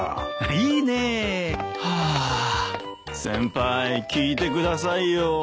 先輩聞いてくださいよ。